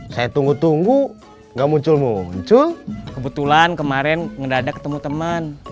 saya tunggu tunggu nggak muncul muncul kebetulan kemarin nggak ada ketemu teman